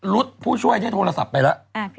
รุ๊ดผู้ช่วยได้โทรศัพท์ไปแล้ว